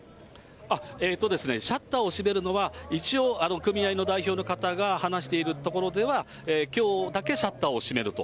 シャッターを閉めるのは一応、組合の代表の方が話しているところでは、きょうだけシャッターを閉めると。